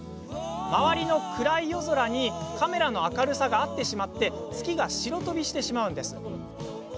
周りの暗い夜空にカメラの明るさが合ってしまい月が白飛びしてしまうんです。